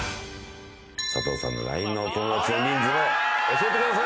佐藤さんのＬＩＮＥのお友だちの人数を教えてください。